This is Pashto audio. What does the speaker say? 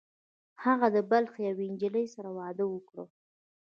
هغه د بلخ له یوې نجلۍ سره واده وکړ